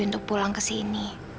untuk pulang ke sini